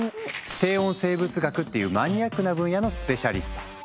低温生物学っていうマニアックな分野のスペシャリスト。